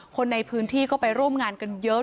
คนในพื้นที่ก็ไปร่วมงานกันเยอะ